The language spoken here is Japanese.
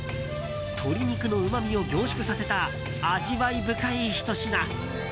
鶏肉のうまみを凝縮させた味わい深いひと品。